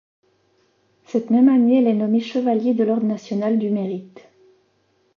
Cette même année, elle est nommée Chevalier de l'ordre national du Mérite.